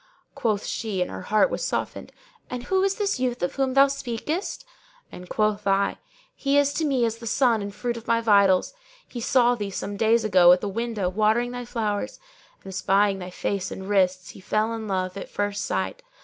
Quoth she (and her heart was softened), 'And who is this youth of whom thou speakest?'; and quoth I, 'He is to me as a son and the fruit of my vitals. He saw thee, some days ago, at the window watering thy flowers and espying thy face and wrists he fell in love at first sight.